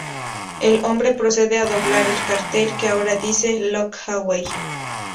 El hombre procede a doblar el cartel, que ahora dice "Look Away".